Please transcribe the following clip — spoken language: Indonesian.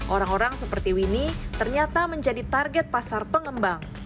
orang orang seperti winnie ternyata menjadi target pasar pengembang